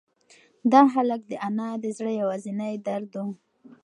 دغه هلک د انا د زړه یوازینۍ درد و.